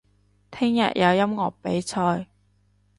聽日有音樂比賽